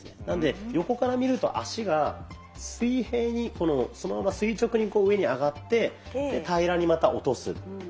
なので横から見ると足が水平にそのまま垂直に上に上がってで平らにまた落とす。